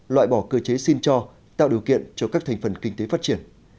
loại bỏ cơ chế xin cho tạo điều kiện cho các thành phần kinh tế phát triển